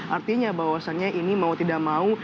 artinya bahwasannya ini mau tidak mau